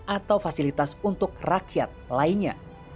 atau fasilitas untuk rakyat lainnya